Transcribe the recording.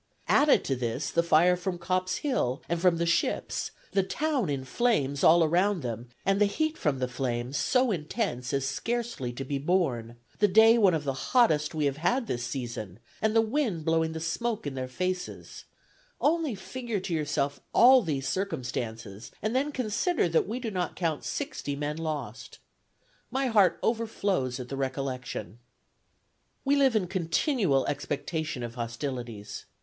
Added to this, the fire from Copp's Hill, and from the ships; the town in flames, all around them, and the heat from the flames so intense as scarcely to be borne; the day one of the hottest we have had this season, and the wind blowing the smoke in their faces, only figure to yourself all these circumstances, and then consider that we do not count sixty men lost. My heart overflows at the recollection. "We live in continual expectation of hostilities.